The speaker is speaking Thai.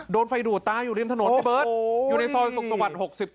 โดนไฟดูดตายอยู่ริมถนนอยู่ในซ่อนศพสวรรค์๖๒ครับ